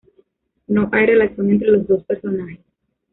No hay relación entre los dos personajes.